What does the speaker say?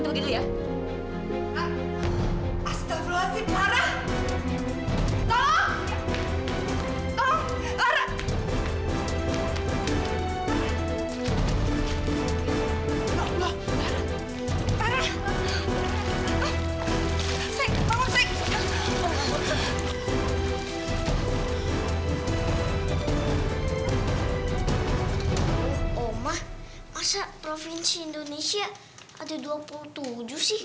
omah masa provinsi indonesia ada dua puluh tujuh sih